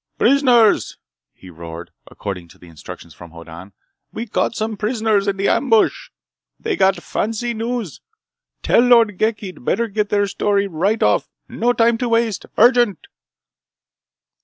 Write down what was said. "Prisoners!" he roared, according to instructions from Hoddan. "We caught some prisoners in the ambush! They got fancy news! Tell Lord Ghek he'd better get their story right off! No time to waste! Urgent!"